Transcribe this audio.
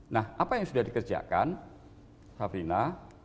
nah apa yang sudah dikerjakan safrina